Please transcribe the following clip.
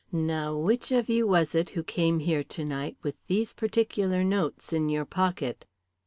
Now which of you was it who came here tonight with these particular notes in your pocket?"